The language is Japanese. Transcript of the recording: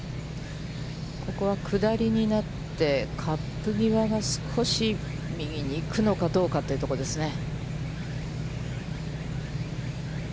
ここは下りになって、カップ際が少し、右にいくのかどうかというところですね。